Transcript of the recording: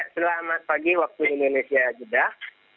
selamat pagi waktu indonesia jeddah